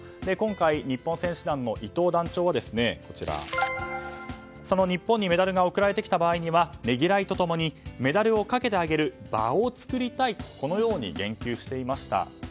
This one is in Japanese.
今回、日本選手団の伊東団長はその日本にメダルが送られてきた場合にはねぎらいとともにメダルをかけてあげる場を作りたいとこのように言及していました。